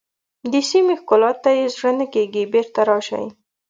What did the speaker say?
د سیمې ښکلا ته یې زړه نه کېږي بېرته راشئ.